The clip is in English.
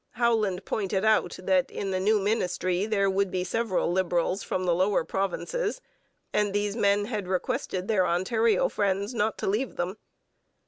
Howland pointed out that in the new ministry there would be several Liberals from the lower provinces, and these men had requested their Ontario friends not to leave them.